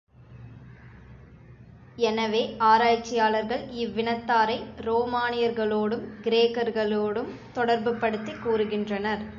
எனவே ஆராய்ச்சியாளர்கள் இவ் வினத்தாரை ரோமானியர்களோடும், கிரேக்கர்களோடும் தொடர்புபடுத்திக் கூறுகின்றனர்.